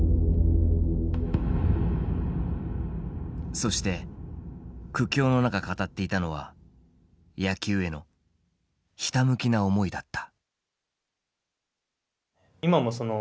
そして苦境の中語っていたのは野球へのひたむきな思いだった。